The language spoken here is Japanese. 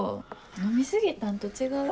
飲み過ぎたんと違う？